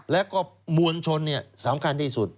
แล้วก็มวลชนสำคัญที่สุด